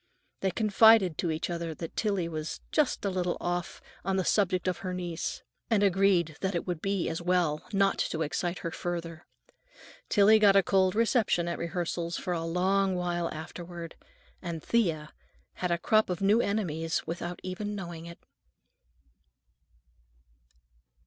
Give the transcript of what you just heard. They confided to each other that Tillie was "just a little off, on the subject of her niece," and agreed that it would be as well not to excite her further. Tillie got a cold reception at rehearsals for a long while afterward, and Thea had a crop of new enemies without even knowing it.